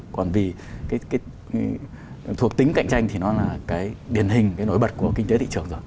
còn vì thuộc tính cạnh tranh thì nó là cái điển hình cái nối bật của kinh tế thị trường rồi